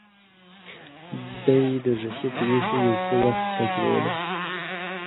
دې دوږخي پولیسو یو څه وخت تعقیبولم.